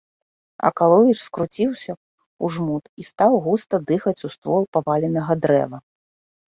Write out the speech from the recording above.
Акаловіч скруціўся ў жмут і стаў густа дыхаць у ствол паваленага дрэва.